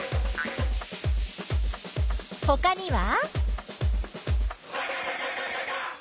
ほかには？